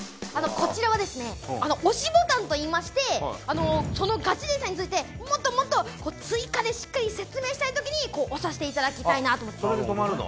こちらはですね推しボタンといいましてそのガチ勢さんについてもっともっと追加でしっかり説明したい時にこう押させていただきたいなとそれで止まるの？